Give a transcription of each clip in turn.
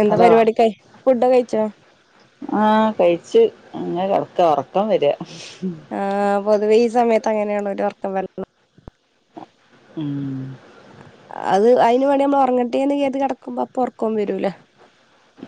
എന്താ ഹലോ പരിപാട്യക്കെ ഫുഡ് ഒക്കെ കയ്ച്ചോ? ആ കയ്ച്ച് അങ്ങനെ കട്ക്ക ഒർക്കം വര. ആ പൊതുവേ ഈ സമയത്ത് അങ്ങനേണ് ഒരൊ ഒർക്കം വര്ല. ഉം. അത് അയ്ന് വേണ്ടി നമ്മളൊർ ങ്ങട്ടെന്ന് കെര്തി കെടക്കുമ്പോ അപ്പൊ ഒർക്കം വരൂല.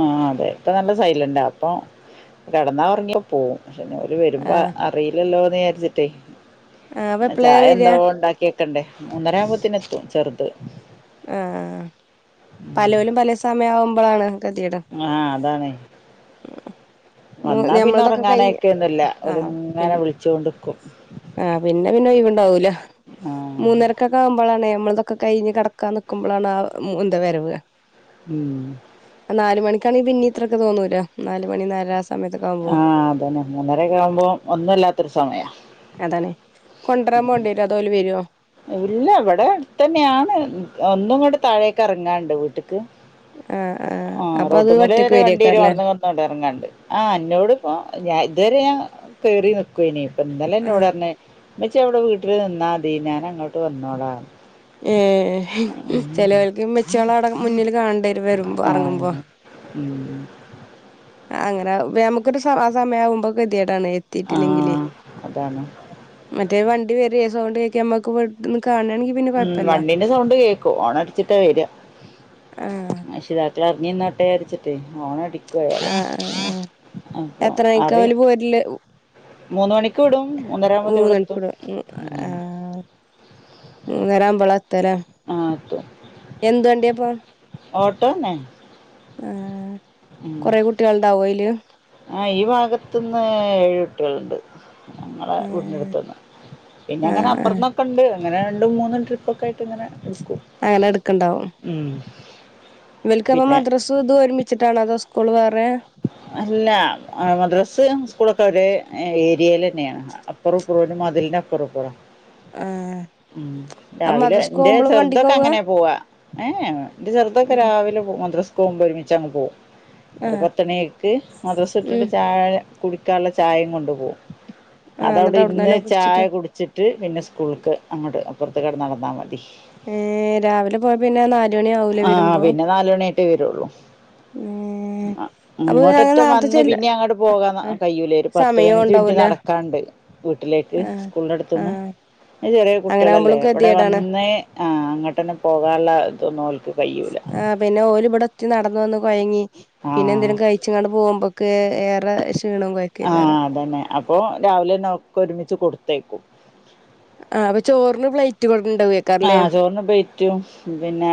ആ അതെ ഇപ്പൊ നല്ല സൈലന്റാ അപ്പൊ കെടന്നാ ഒർങ്ങി പോവും പക്ഷെ ഓര് വരുമ്പോ ആഹ് അ റീലല്ലോന്ന് വിചാര്ച്ച്ട്ടേ ആഹ് അപ്പൊ എപ്പളാ ചായ വരിക എന്തോ ഇണ്ടാക്ക്യക്കണ്ടേ മൂന്നര ആവുമ്പോത്തിന് എത്തും ചെർത്. ആ പലോലും പല സമയം ആവുമ്പളാണ് കെത്യേട്. ആഹ് അതാണേ. വന്നാ പിന്നെ ഞമ്മളതൊക്കെ കഴിഞ്ഞ് ഒർങ്ങാനയ്ക്കൊന്നുല്ല ആഹ് ഓല്ങ്ങനെ പിന്നെ വ്ൾച്ചോണ്ട്ക്കും. ആഹ് പിന്നെ പിന്നെ ഒയ്വ്ണ്ടാവൂല. ആഹ് മൂന്നരക്കക്കാ ആവുമ്പളാണെ അമ്മൾതൊക്കെ കയ്ഞ്ഞ് കടക്കാൻ നിക്കുമ്പളാണെ ആ എന്താ വരവ്. ഉം. ആ നാല് മണിക്കാണെങ്കി പിന്നിം ഇത്രൊക്ക തോന്നൂല്ല നാല് മണി നാലര ആസ ആ അതന്നെ മൂന്നരൊക്കെ ആവുമ്പോം ഒന്നുംല്ലാത്തൊരു സമയ. അതാണേ കൊട്രാൻ പോണ്ട്യരോ അതോല് വെരോ? ഇല്ല ഇവിടെ അട്ത്തന്ന്യാണ് ഒന്നുങ്ങണ്ട് താഴേക്ക് എർങ്ങാണ്ട് വീട്ട്ക്ക്. ആഹ് ആഹ് ആ അപ്പൊ അത് ഒറ്റക്ക് റോട്ട്മ്മലരെ വണ്ട്യരും വരേക്കാരല്ലേ അവ്ട്ന്ന് ണ്ടെർങ്ങാണ്ട് ആ എന്നോട്പ്പം ഞാൻ ഇതരെ ഞാൻ കേറി നിക്കോനി ഇന്നലെ ആഹ് ഇന്നോടർഞ്ഞ് ഇമ്മച്ചി അവ്ടെ വീട്ട്ല് നിന്നാതി ഞാൻ അങ്ങോട്ട് വന്നോളാ. ഏ ചെലോൽക്ക് ഇമ്മച്ച്യളഅവ്ടെ മുന്നില് കാണണ്ടേ ആഹ് ഉം. അങ്ങനെ ആവു നമുക്കൊരു സ ആ സമയവുമ്പോകെത്യാടാണെ ആ എത്തിട്ടില്ലെങ്കിലേ. അതാണ് മറ്റേ വണ്ടി വരെ സൗണ്ടേക്കെ അമ്മക്ക് വീട്ട്ന്ന് കാണാണെങ്കി പിന്നെ ഉം കൊഴപ്പല്ല വണ്ടിന്റെ സൗണ്ട് കേക്കും ഓണ ച്ചിട്ടാ വര്യ. ആഹ് രക്ഷിതാക്കൾ എർങ്ങിന്നോട്ടെ ര്ച്ച്ട്ടെ ഓണടി ആഹ് [unintelligible] അപ്പൊ അറിം. പെര്ല ഹു മൂന്ന് മണിക്ക് വിടും മൂന്നര ആവുമ്പോത്തിനു ഇവടെത്തും മൂന്നണിക്കൂർ മൂന്നേര ആവുമ്പോള എത്ത്ലെ ആ എത്തും എന്ത് വണ്ടിപ്പൊ ഓട്ടോ തന്നെ ആ ഉം. കൊറെ കുട്ടികൾ ഉണ്ടാവു അയ്ല് ആ ഈ ഭാഗത്തുന്ന് ഏഴുട്ടിളുണ്ട് ഞങ്ങളെ ആഹ് വീടിനടുത്ത്ന്ന് പിന്നെ അങ്ങനെ ആഹ് ആഹ് അപ്പുറന്നൊക്കെണ്ട് അങ്ങനെ രണ്ടും മൂന്നും ട്രിപ്പൊക്കെയായിട് ടിങ്ങനെ എടുക്കും അങ്ങനെ ഉം ഇവലക്ക്അപ്പൊ പിന്നെ മദ്രസ് ഇത് ഒരുമിച്ചിട്ടാണോ അതോ സ്കൂൾ വേറെ? അല്ല മദ്രാസ് സ്കൂളൊക്കെ ഒരേ ഏരിയൽ തന്നെയാണ് അപ്പുറ ഇപ്പറോ ഒരു മതിലിന്റെ അപ്പുറ ഇപ്പറ. ആഹ് ഉം അപ്പ രാവിലെ മദ്രസ്ക്ക് എന്റെ പോകുമ്പളും വണ്ടിക്കാ ചെറുതൊക്കെ അങ്ങനെ പോവാ. ങ്ങേ എന്റെ ചെറുതൊക്കെ ഉം രാവിലെപോ മദ്രസ് പോകുമ്പോരുമിച്ചാണ് പോവും. ആ ത്തണിക്ക് മദ്രസ വിട്ടിട്ട് ചായ കുടിക്കാനുള്ള ചായയും കൊണ്ടുപോകും. ആഹ് അതവിടെ എന്നിട്ട് ഇരുന്ന് അവിടന്നന്നെ ചായ കുടിച്ചിട്ട് കുടി വച്ചിട്ട് പിന്നെ സ്കൂള്ക്ക് അങ്ങോട്ട് അപ്പുറത്ത്കടന്ന നടന്നാ മതി. ഏഹ് രാവിലെ പോയ പിന്നെ നാല് മണി ആവൂലേ ആഹ് വരുമ്പോ പിന്നെ നാലുമണിയായിട്ടേ വരുള്ളൂ. ഏഹ് ആ. അപ്പൊ അങ്ങനെ ഇങ്ങോട്ടൊറ്റം നേരത്തെ ചെല്ല വന്ന്പിന്നെ അങ്ങോട്ട് ആഹ് പോകാകഴയൂലേ ഒരു പത്ത് സമയോം പതിനഞ്ച് മിനിറ്റ് ഉണ്ടാവൂല നടക്കാണ്ട്. വീട്ടിലേക്ക് ആഹ് സ്കൂളിന്റെടുത്തുന്ന് ആഹ് ചെറിയ അങ്ങനെ കുട്ടികളല്ലേ ആവുമ്പളും ഇവിടെ ഗതികേടാണ് വന്ന് ഏ ആ അങ്ങോട്ട്ന്നെ പോകാനുള്ള ഇതന്നോൽക്ക് ആഹ പിന്നെ ഓൽഇവിടെ ഒത്തി നടന്ന് വന്ന് കൊഴങ്ങി. ആ പിന്നെ എന്തെങ്കിലും കഴിച്ചങ്ങാണ്ട് പോകുമ്പോക്കെ ഏറെ ക്ഷീണവു കൊഴക്ക് ആ ഏകാരം. അതന്നെ. അ അപ്പൊ രാവിലെന്നെക്കെ ഒരുമിച്ച് കൊടുത്തയിക്കും. ആഹ് അപ്പം ചോറിന് പ്ലേറ്റ് കൊണ്ടോവെ ആഹ ചോറിന് പ്ലെയ്റ്റും പിന്നെ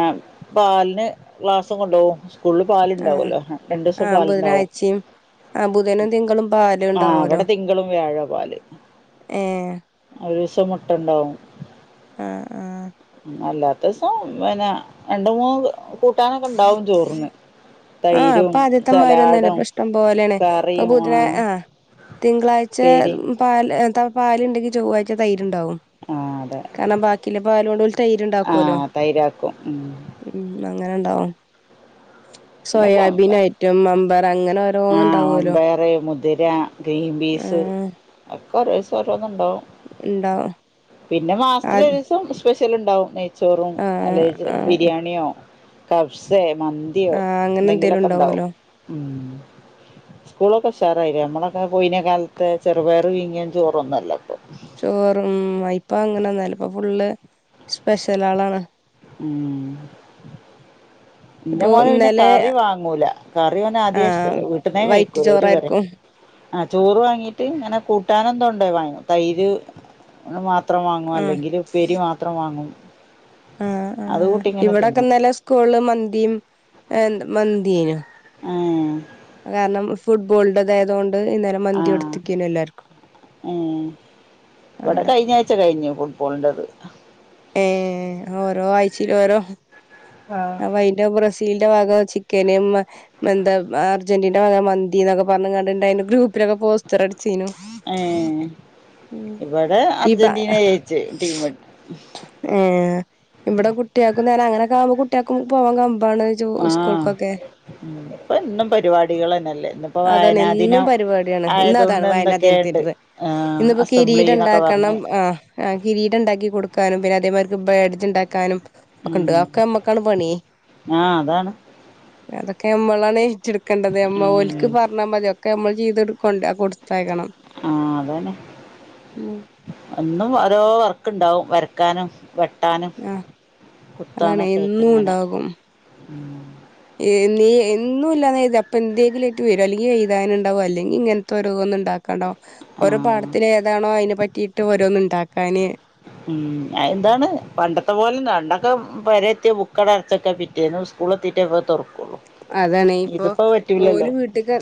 പാലിന് ഗ്ലാസ് കൊണ്ടാവും. സ്കൂളിൽ ആഹ് പാലുണ്ടാവല്ലോ രണ്ടീസം ആഹ് പാലുണ്ടാവും. ബുധനാഴ്ചയും ആഹ് ബുധനും തിങ്കളും പാല് ആഹ ഉണ്ടാവുമല്ലോ ഇവിടെ തിങ്കളും വ്യാഴാ പാൽ. ഏ. ഒരീസ മുട്ടണ്ടാവും. ആഹ ആ! അല്ലാത്തവസം പിന്നെ രണ്ട് മൂന്ന് കൂട്ടാനൊക്കെ ഇണ്ടാവും ചോറിന് ആഹ് തൈരും ഇപ്പൊ ആദ്യത്തെമാരിയൊന്നുല്ല സലാഡും ഇപ്പ ഇഷ്ടം പോലെയാണ് ഇപ്പൊ ബുധന ആഹ് തിങ്കളാഴ്ച ഉപ്പേരി പാ പാല്ണ്ടെങ്കി ചൊവ്വാഴ്ച തൈരുണ്ടാവും. ആഹ് അതെ കാരണം ബാക്കിള്ള പാലോണ്ട് തൈര് ഉണ്ടാക്കോല്ലോ. ആഹ് തൈരാക്കും ഉം ഉം അങ്ങനെണ്ടാവും. പിന്നൊക്കെ സോയാബീൻയായിട്ടും, മംമ്പയർ അങ്ങനെ ഓരോന്ന്ണ്ടാവോല്ലോ. കറി മുതിര ഗ്രീൻ പീസ് ഒക്കെ ഓരോ ദിവസരോന്നുംണ്ടാവും. ഉണ്ടാവും പിന്നെ മാസത്തിലൊരു ആഹ് ദിവസം സ്പെഷ്യൽണ്ടാവും നെ യിചോറും, ആഹ് അല്ലെങ്കി ആഹ് ബിരിയാണിയോ, കബ്സേ, മന്തിയോ ആഹ് അങ്ങനെ എന്തേലും എന്തെങ്കിലൊക്കെണ്ടാവും ഉണ്ടാവുമല്ലോ മ്. സ്കൂളൊക്കെഷാറായില്ലേ നമ്മളൊക്കെ പോയിനെ കാലത്ത് ചെറുപയർ പീങ്ങിയ ചോറൊന്നുല്ല ഇപ്പം. ചോറും ഉം ഇപ്പങ്ങനെന്നല്ല ഇപ്പോ ഫുള്ള് സ്പെഷ്യലാളാണ്. ഉം. ഇന്റെ ഇപ്പൊ മോന് പിന്നെ ഇന്നലെ കറി വാങ്ങൂല കറിയോൻ ആദ്യേ ആഹ് ഇഷ്ടല്ലേ വീട്ടന്നേ വൈറ്റ് കഴിക്കൂല ഒരുകറിം. ചോറായിരിക്കും ആഹ ചോറ് വാങ്ങീട്ട് ഇങ്ങനെ കൂട്ടാനന്തതുണ്ടോ വാങ്ങു തൈര് ഓന് മാത്രം വാങ്ങും ആഹ് അല്ലെങ്കില് ഉപേരി മാത്രം വാങ്ങും. ആ ആ അത് കൂട്ടി ഇങ്ങനെ തിന്നും ഇവിടെക്കെന്നലെ സ്കൂളിൽ മന്തിം മന്തിയാനു. ആഹ്. കാരണം ഫുട്ബോളിന്റെതായതുകൊണ്ട് ഇന്നലെ മന്തി ആഹ് കൊടുത്തിക്കേനു എല്ലാർക്കും ഏഹ് ഇവ്ടെ അവിടെ കയ്ഞ്ഞാഴ്ച്ച കയ്ഞ്ഞു ഫുഡ് ബോളിന്റെത്. ഏഹ് ഓരോ ആയ്ച്ചേലോരോ. ആഹ് അയ്ന്റെ ബ്രസീലിന്റെ വക ചിക്കനും എന്താ അർജന്റീൻ്റെ വക മന്തീന്നൊക്കെ പറഞ്ഞ്ങ്ങാണ്ട്ണ്ടായിന്നു ഗ്രൂപ്പിലൊക്കെ പോസ്റ്ററടിച്ച് ച്ചീനു ഏ ഇവിടെ ഈ പ അർജന്റീന ജയ്ച്ച് ടീമ് ഏ ഇവിടെ കുട്ടിയാക്കും നേരം അങ്ങനക്കാമ്പോ കുട്ടിയാക്കും പോവാൻ കമ്പാണ് ജോ ഉസ്കൂൾക്കൊക്കെ ഉം ഇപ്പെന്നും പരിപാടികളന്നല്ലേ ഇന്ന്പ്പോ അതാണ് വായനാ എന്നും ദിനം ആയതൊണ്ട് എന്തൊക്കേണ്ട് ഇന്നിപ്പ കിരീടണ്ടാക്കണം ആ ആ കിരീടണ്ടാക്കി കൊടുക്കാനും പിന്നെ അതേമാര്ക്ക് ബേഡ്ജ്ണ്ടാക്കാനും ഉം പണി ആഹ് അതാണ് അതൊക്കെ ഞമ്മളാണ് ഏറ്റെടുക്കേണ്ടത് അമ്മ ഒല്ക്ക് ഉം പറഞ്ഞാ മതി ഒക്കെ നമ്മള് ചെയ്തെട്ക്കൊണ്ടേ കൊടുത്തയക്കണം ആഹ് അതാന്നെ ഉം എന്നും ഓരോ വർക്ക്ണ്ടാവും വരക്കാനും വെ ട്ടാനും ആഹ് അതാണ് എന്നും കുത്താനൊക്കേയിട്ട്ങ്ങനെ നേ എന്നും ഇല്ലാ അപ്പൊ എന്തെങ്കിലും ഏയിട്ട് വരും അല്ലെങ്കിൽ എയ്താന്ണ്ടാവു അല്ലെങ്കിൽ ഇങ്ങനത്തൊരോന്ന് ഇണ്ടാക്കാണ്ടാവോ ഓരോ ആഹ് പാടത്തിലെ ഏതാണോ അതിനെ പറ്റിയിട്ട് ഓരോന്ന്ണ്ടാക്കാന് ഉം എന്താണ് പണ്ടത്തെ പോലെന്നാ പണ്ടൊക്കെ പോരെത്തിയ ബുക്കട് അടച്ചെക്കാ പിറ്റേന്നു സ്കൂള് എത്തിറ്റേപ്പോ തുറക്കും അതാണ് ഇനിപ്പൊ ഓല് വീട്ട്ക്ക്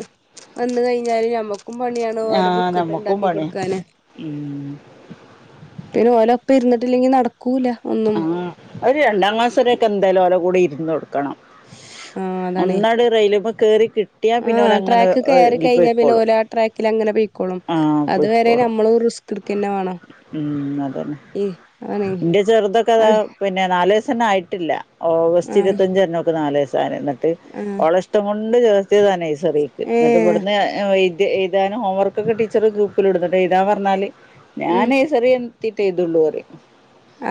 വന്ന് കയിഞ്ഞാല് ഞമ്മ ക്കും പണിയാണ് ഓലെ ആഹ് നമ്മക്കും ബുക്കക്കെണ്ടാക്കി പണിയാ കൊടുക്കാന് ഉം പിന്നെ ഓലൊപ്പം ഇരുന്നിട്ടില്ലെങ്കി നടക്കൂല ഒന്നും ആഹ് ഒരു രണ്ടാം ക്ലാസ് വെരൊക്കെ എന്തായാലും ഓലെ കൂടെ ഇരുന്നൊടു ക്കണം ആ ഒന്നട് റെയിലിമ്മെ കേറി ക ആഹ് ട്രാക്ക് കേറി കഴിഞ്ഞാ പിന്നെ ഓല് ആ ട്രാക്കിലങ്ങനെ പൊയ്ക്കോളും ആഹ് അതുവരെ പൊയ്ക്കോളും നമ്മള് റിസ്കി ത്തിറ്ക്കെന്നെ വേണം ഉം ഏ അതാണേ അതന്നെ ആ ചെറുതൊക്കതാ പിന്നെ നാല് വയസന്നായിട്ടില്ല ഓഗസ്റ്റ് ഇരുപത്തഞ്ചരണം ഓക്ക്‌ നാല് വയസാന് ആ ഓളെ ഇഷ്ടം കൊണ്ട് ചേർത്തിയതാ നേഴ്സറീക്ക് ഏ ന്നിട്ട് ഇവിടുന്ന് എഴുതാനും ഹോംവർക്കൊക്കെ ടീച്ചറ് ഗ്രൂപ്പില്ടും ന്ന്ട്ട് എഴുതാൻ പറഞ്ഞാല് ഉം ഞാൻ സെറിയെത്തീട്ടെഴുതൂള്ളു പറയാ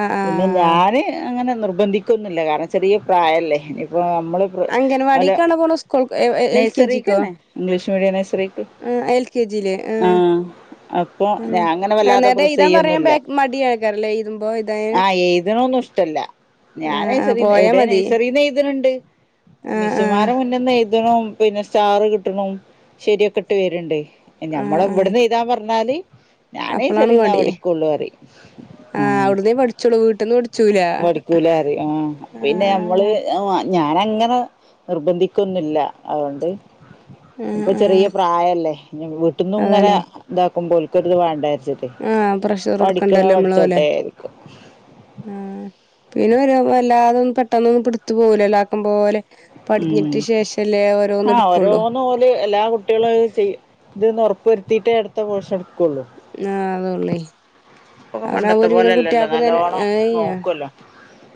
ആഹ് ആഹ് പിന്നെ ഞാന് അങ്ങനെ നിർബന്ധിക്കൊന്നില്ല കാരണം ചെറിയ പ്രായല്ലേ ഇനിപ്പോ നമ്മള് അംഗന ഓലെ വാടിക്കാണൊ പോണെ സ്കൂൾ എൽ കെ ജിക്കോ നഴ്സറിക്കന്നെ ഇംഗ്ലീഷ് മീഡിയം നഴ്സറിക്ക് കെ ജില് ആ ആഹ് അപ്പൊ ഞാൻ അങ്ങനെ വല്ലാതെ നന്നായിട്ട് പ്രസ് എയ്താൻ പറയാം ചെയ്യൊന്നുല്ല മടിയാക്കാരം ലെ എഴുതുമ്പോ എഴുതാന് ആഹ് എഴുതണൊന്നും ഇഷ്ടല്ല ഞാൻ ആഹ് ആഹ് നേഴ്‌സറിന്ന് പോയാ എവിടെ മതി നേഴ്സറീന്ന് എഴുതലുണ്ട് ആഹ് ആഹ് മിസ്സുമാരെ മുന്നിന്ന് എഴുതണു പിന്നെ സ്റ്റാറ് കിട്ടണു ശരിയൊക്കെട്ട് വരുണ്ടേ ആഹ് ഞമ്മളെ ആഹ് ഇവ്ടുന്ന് എയ്താൻ പറഞ്ഞാല് ഞാൻ അപ്പളാണ് നേഴ്സറീന്നാ മടി പഠിക്കോള്ളു പറയും ആഹ് അവിടുന്നേ പഠിച്ചോളൂ വീട്ടിന്ന് പഠിച്ചൂല പഠിക്കൂലാറിയും ആ പിന്നെ ഇങ്ങള് ആഹ് ആ ഞാനങ്ങനെ നിർബന്ധിക്കൊന്നില്ല അതുകൊണ്ട് ആഹ് ഇപ്പ ആഹ് ചെറിയ പ്രായല്ലേ പിന്നെ വീട്ടിന്നുങ്ങനെ അതാണ് ഇതാക്കുമ്പോ ഓൽക്ക്ത് വേണ്ടാച്ചിട്ടേ ആഹ് പ്രഷർ പഠിക്കണ കൊടുക്കണ്ടല്ലോ പഠിച്ചോട്ടെ വിചാരിക്കും ആ പിന്നെ ഒരു വല്ലാതൊന്നും പെട്ടന്ന് ഒന്നും പിടുത്തു പോവുലല്ലൊ ആക്കും പോലെ പഠഞ്ഞിട്ടു ശേഷല്ലേ ഓരോന്ന് എടുക്കുള്ളൂ പിന്നെ ഓല് എല്ലാ കുട്ടികളും ഇത് ചെയ്ത്ന്ന് ഉറപ്പുവരുത്തിയിട്ടേ അടുത്ത പോർഷൻ എടുക്കുള്ളൂ ആഹ അതൊള്ളേ ഇപ്പൊക്കെ അങ്ങനെ പണ്ടത്തെ ഒരുവിധം പോലെല്ലല്ലോ കുട്ടിയക്കു നല്ലോണം ഏ്യ നോക്കുവല്ലോ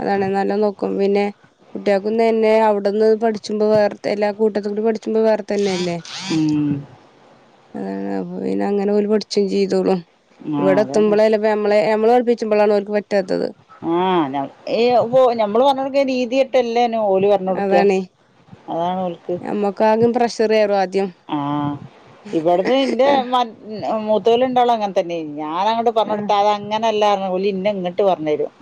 അതാണ് നല്ലൊ നോക്കും പിന്നെ കുട്ടികക്കൊന്ന്ന്നെ അവിടുന്ന് പഠിച്ചുമ്പോ വേറെത്തെ എല്ലാ കൂട്ടത്തുകൂടി പഠിച് ച്ചുമ്പ വേറെത്തന്നെല്ലേ. ഉം അതാണ് അപ്പ പിന്നെ അങ്ങനെ ഓല് പഠിച്ചെ ചെയ്തോളും ആഹ് ഇവിടെ അതന്നെ എത്തുമ്പളല്ലേ പ്പ ഞമ്മളെ ഞമ്മള് പൽപ്പിച്ചുമ്പോളാണ് ഓൽക്ക് പറ്റാത്തത്. ആഹ് ഞമ് ഏഹ് പോ നമ്മള് പറഞ്ഞൊടുക്കണ രീതി ട്ടെല്ലേന് ഓല് പറഞ്ഞ് കൊടുക്ക അതാണ് ഓൽക്ക്. ക്കാങ്ങ് പ്രഷറ് കേറും ആദ്യ ആഹ് ഇവിടുത് എന്റെ മൻ ഏഹ് മൂത്തവല് രണ്ടാളും അങ്ങനെത്തന്നെ ഞാനങ്ങട്ട് ആഹ് പറഞ്ഞടുത്ത അതങ്ങനല്ല പറഞ് ഓള് ഇന്ന ഇങ്ങട്ട് പറഞ്ഞു തരും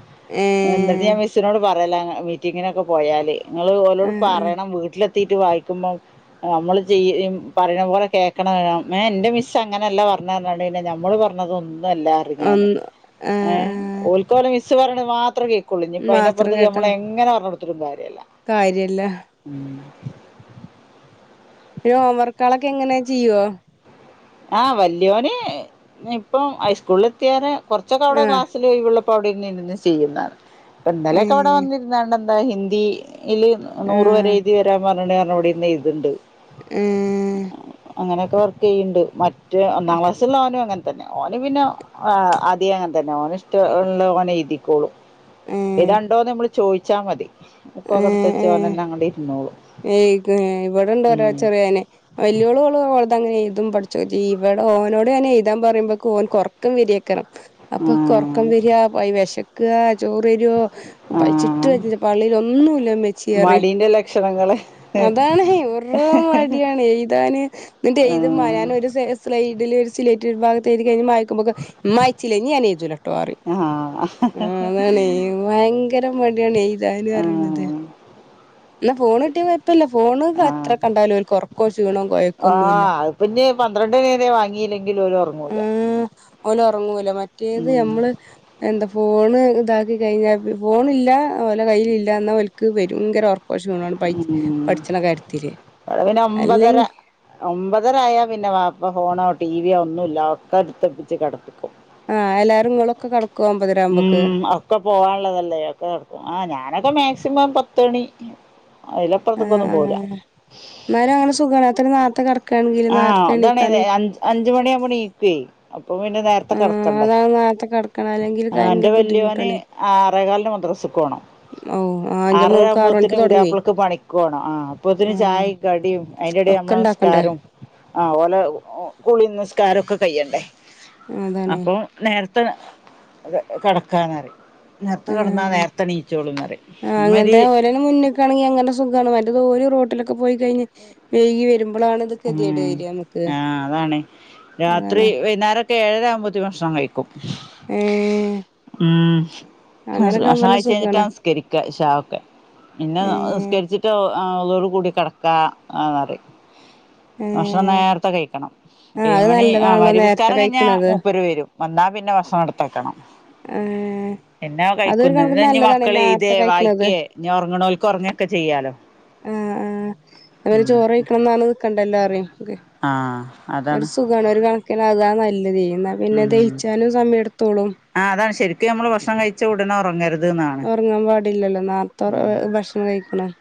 എന്നിട് ഇത് ഏഹ് ഞാൻ മിസ്സിനോട് പറയല്ല അങ്ങ് മീറ്റിങ്ങിനൊക്കെ പോയാല് നിങ്ങള് ഓലോട് ആഹ് പറയണം വീട്ടിലെത് ത്തിട്ട് വായിക്കുമ്പോ നമ്മള് ചെയ്യ് ഇ ഇമ് പറയണ പോലെ കേക്കണണം ഏഹ് എൻ്റെ മിസ് അങ്ങനെ അല്ലാ പറഞ്ഞന്ന്ണ്ട് പിന്നെ ഞമ്മള് പറഞ്ഞത് ഒന്നും അല്ല റിം ക്ക്‌ ഞാന് ഒന്ന് ആഹ് ഏഹ് ആഹ് ഓൽക്ക്‌ ഓലെ മിസ് പറയണത് മാത്രേ കേക്കുള്ളൂ ഇഞ്ഞിപ്പ മാത്രം അതിനപ്പുറത്തേക്ക്‌ കേട്ടാ ഞമ്മളെങ്ങനെ പറഞ്ഞ് കൊടുത്തിട്ടും കാര്യല്ല. കാര്യല്ല. ഉം ഹോംവർക്കാളക്കെ എങ്ങനെ ചെയ്യുവോ? ആഹ് വല്യോന് ഇപ്പം ഹൈസ്കൂളില് എത്തിയവരെ കൊറച്ചൊക്കെ അവിടെ ആഹ് ക്ലാസ് സില് ഒഴിവുള്ളപ്പം അവിടെ ഇരുന്ന് എന്നെന്നും ചെയ്യുന്നാണ് ഇപ്പ ഇന്നലെക്കെ അവിടെ വന്നിര് എന്നാണ്ടെന്താ ഹിന്ദിയില് നൂറ് വരെ എഴുതി വരാൻ പറഞ്ഞ്ണ്ട് പറഞ്ഞ് ഇവിടെ ഇരുന്ന് എയ്തണ്ണ്ട്. അങ്ങനെക്കെ വർക്ക് ചെയ്യണ്ട് മറ്റ് ഒന്നാം ക്ലാസ്ള്ളാവനും അങ്ങനെ തന്നെ ഓന് പിന്നെ ആഹ് ആധ്യേ അങ്ങന തന്നെ ഓന് ഇഷ്ട ഉള്ള ഓനെയ്തിക്കോളും. ഹേത്ണ്ടോന്ന് നമ്മള് ചോദിച്ചാ മതി ബുക്കൊക്കെടുത്ത് വെച്ച് ഓനന്നെ അങ്ങോട്ട് ഇരുന്നോളും ഏഹ് കെഹെ ഇവിടെണ്ട ഒരാ ഉം ചെറിയവന് വല്യോളുഓളു ഓള്തങ്ങനെ എയ്തും പഠിച്ചു ചെയ്യും. ഓനോട് അങ്ങനെ എയ്താൻ പറയുമ്പോക്ക് ഓൻകൊറ ക്കം വരിയക്കണം അപ്പ ക്കൊറക്കം വിരിയാ വെശക്കാ ചോറ്രുവോ ആ ആ പയ്ച്ചിട്ട് പാടില്ല പള്ളേല് ഒന്നുംല്ല മ്മെച്ചി പറയും. ക്ഷണങ്ങള് അതാണ്ഹെ വെറൂം മടിയാണ് എയ്താന് എന്നിട്ട് എയ്തുമ്പ ഞാൻ ആ ഒരുസെ സ് സ്ലൈഡില് സ്ലേയ്റ്റില് ഒരു ഭാഗത്ത് എഴുതി കഴിഞ് മയ്ക്കുമ്പോക്ക ഉമ്മായിച്ചില്ലേ ഇഞ്ഞി ഞാൻ എഴുതുലാട്ടോ പറയും. ആഹ് അതാണ് ഭയങ്കര മടിയാണ് എയ്താന്ന് പറയണത്. എന്നാ ഫോണ് കിട്ടിയ കൊയപ്പില്ല ഫോണ്ക്ക അത്ര ആഹ് കണ്ടാലോ ഓല്ക്ക് കൊറക്കോ ക്ഷീണോ കൊയക്കോന്നുല്ല. ആഹ് അത് പിന്നെ പന്ത്രണ്ട് മണിവരെ വാങ്ങിയില്ലെങ്കിലും ഓര് ഉറങ്ങൂല. ഓന് ഒറങ്ങുല മറ്റേത് ഉം നമ്മള് എന്താ ഫോണ് ഇതാക്കി കഴിഞ്ഞാ പി ഫോണില്ല ഓലെ കയ്യിൽ ഇല്ല എന്നാ ഓൽക്ക് ഭയങ്കര ഒറക്ക് ക്ക ഷീണാണ് പയ്ച് ഉം പഠിച്ചണ കാര്യത്തില് അല്ലെങ്കി ഒമ്പതരായ പിന്നെ വാപ്പ ഫോണോ ടീവിയോ ഒന്നുല്ല ഒക്കെ എടുത്തുപ്പിച്ച് കിടപ്പിക്കും. ആഹ് എല്ലാരും നിങ്ങളൊക്കെ കടക് ഉം ആക് ഒക്കെ പോവാനുള്ളതല്ലേ ഒക്കെ നടക്കും ആഹ് ഞാനൊക്കെ മാക്സിമം പത്ത്മണി ആഹ് അതിലക് ആഹ് ആഹ് എന്നാലും അങ്ങെ സുഖാണ എത്തറ നേരത്ത കെടക് ആഹ് അതാണ് നേ അഞ്ച് അഞ്ച് മണിയാവുമ്പോണീക് ക്വെ അപ്പൊ പിന്നെ നേരത്തെ ആ കെടക്കണ്ടേ അതാണ് നേരത്തെ കടക്കണം അല്ലെങ്കിൽ ആഹ് എന്റെ ഭയങ്കര വല്യോന് ബുദ്ധിമുട്ടാണ് ആറേകാലിന് മദ്രസ്സുക്ക് പോണം. ഓ ആ എന്റെ അറര മോൾക്ക് ആറ് ആകുമ്പോത്തിന് മണിക്ക് തുടങ്ങി പുതിയാപ്ലക്ക് പണിക്ക്പോണം ആഹ് അപ്പോത്തിന് ആഹ് ചായിം കടിയും അതിന്റെടെ ഒക്കെ അമ്മള ഇണ്ടാക്കണ്ടേ നിസ്കാരോം ആഹ് ഓലെ കുളീം നിസ്കാരൊക്കെ കയ്യണ്ടേ അതാണ് അപ്പൊ നേര്ത്തെ കെ കെടക്കാന്നറിം നേർത്ത കെടന്നാ ആഹ് നേർത്തെ ന്നീച്ചോളും എന്ന് പറയും മ്മരി ണേന് മുന്നെക്കാണെങ്കി അങ്ങനെ സുഖാണ് മറ്റത് ഓര് റോട്ടിലൊക്കെ പോയി കഴിഞ് വെയ്കി വെരുമ്പളാണ് ഇത്കെതിയേട് ഉം വര്യ അമ്മക്ക് ആ അതാണ് ഏഴാരാവുമ്പോതിന് ഭക്ഷണം കഴിക്കും ഏഹ് ഉം അങ്ങനൊക്കെ ആവുമ്പോ ഭഷണ നല്ല കഴിച്ചഴിഞ്ഞിട്ട സുഖാണ് നിസ്കരിക്ക ഇശാഒക്കെ പിന്നെ നി ഏഹ് സ്കരിച്ചിട്ട് ഒളൂ ഓടികൂടി കെടക്ക എന്നറിം ഭക്ഷണം ഏഹ് നേർത്തെ കഴിക്കണം ആഹ് അത് ഏഴ്മണി ആ നല്ലതാണല്ലോ മഅരിബ് നേരത്തെ സ്കാരം കഴിഞ്ഞാ കഴിക്കണത് മൂപ്പര് വെരും വന്നാ പിന്നെ വക്ഷണം ഇട് ട്ടാക്കണം ഏഹ് പിന്നെ അതൊരു കണക്കിന് കഴിക്കൊന്നുല്ലഞ് നല്ലതാണ് മക്കള് എയ്തേ നേരത്തെ കഴിക്കണത് വായിക്കേ ഇഞ് ഒറങ്ങ്ണോൽക്ക് ഒറങ്ങൊക്കെ ചെയ്യാലോ ആ ആ അവര് ഉം ചോറ് കഴിക്കണം ന്നറഞ്ഞ് നിക്കണ്ടല്ലോ റിം ആഹ് ഒരു സുഖാണ് ഒരു കണക്കിന് അതാ നല്ലതെയ് ഇന്നാ പിന്നെ ദഹിച്ചാനും സമയെടുത്തോളും ആഹ് അതാണ് ശരിക്കും ഞമ്മള് ഭക്ഷണം കഴിച്ച ഉടനെ ഒറങ്ങരുത് ഒറങ്ങാൻ പാടില്ലല്ലോ നാർത്തൊർ ഭക്ഷണം കഴിക്കണം